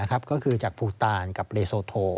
ก็คือจากปู่ตังคแล้ว